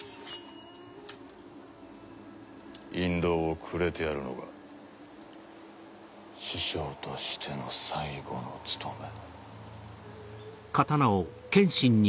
引導をくれてやるのが師匠としての最後の務め。